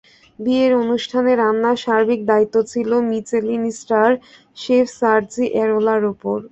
বিয়ের অনুষ্ঠানে রান্নার সার্বিক দায়িত্ব ছিল মিচেলিন-স্টার শেফ সার্জি অ্যারোলার ওপর।